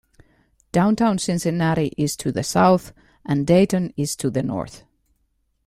Downtown Cincinnati is to the south, and Dayton is to the north.